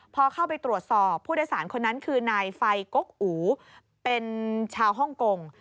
พอเข้าไปตรวจสอบผู้โดยสารคนนั้นคือนายไฟกกอูเป็นชาวฮ่องกง